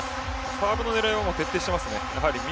サーブの狙いは徹底しています。